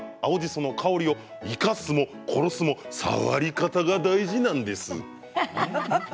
その香りを生かすも殺すも触り方が大事なんです。